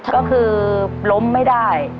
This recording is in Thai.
ก็คือล้มไม่ได้